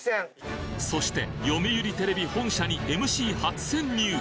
そして読売テレビ本社にＭＣ初潜入！